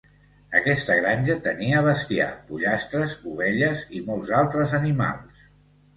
Aquesta granja tenia bestiar, pollastres, ovelles i molts altres animals.